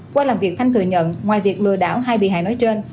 qua làm việc thanh thừa nhận ngoài việc lừa đảo hai bị hại nói trên